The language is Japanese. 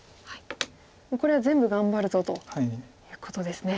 これは全部頑張るぞということですね。